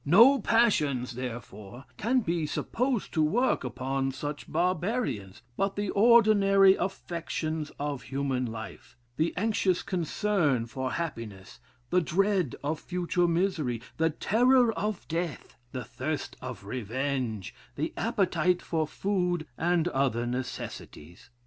No passions, therefore, can be supposed to work upon such barbarians, but the ordinary affections of human life; the anxious concern for happiness, the dread of future misery, the terror of death, the thirst of revenge, the appetite for food and other necessaries.